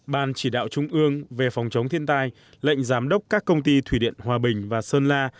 ban chỉ đạo trung ương về phòng chống thiên tai lệnh giám đốc các công ty thủy điện hòa bình và sơn la